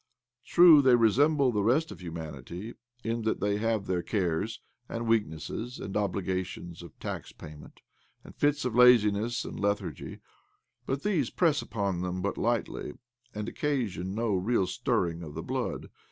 True, they resemble the rest of humanity in that they have their cares and weaknesses and obligations of tax payment and fits of laziness and lethargy; but these press upon them but lightly, and occasion no real stirring of the blood.